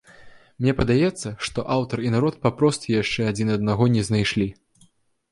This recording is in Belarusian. Мне падаецца, што аўтар і народ папросту яшчэ адзін аднаго не знайшлі.